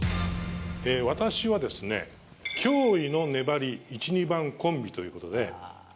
私はですね、驚異の粘り１、２番コンビということで。